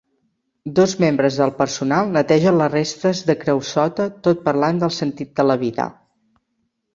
Dos membres del personal netegen les restes de creosota tot parlant del sentit de la vida.